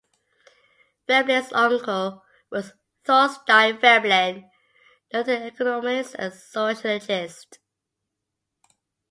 Veblen's uncle was Thorstein Veblen, noted economist and sociologist.